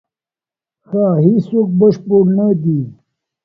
ښه، هیڅوک بشپړ نه دی.